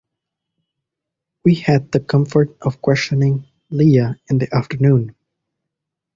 We had the comfort of questioning Leah in the afternoon.